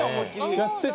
やってて。